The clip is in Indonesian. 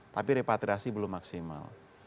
tapi repatriasi belum maksimal